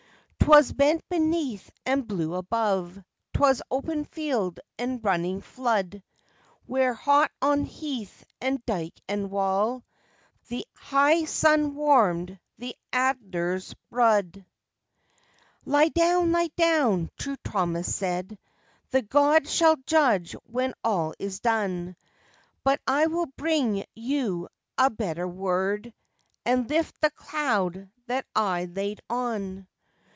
_'Twas bent beneath and blue above 'Twas open field and running flood Where, hot on heath and dyke and wall, The high sun warmed the adder's brood._ "Lie down, lie down," True Thomas said. "The God shall judge when all is done; But I will bring you a better word And lift the cloud that I laid on."